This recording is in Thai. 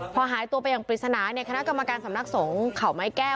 พอหายตัวไปอย่างปริศนาเนี่ยคณะกรรมการสำนักสงฆ์เขาไม้แก้ว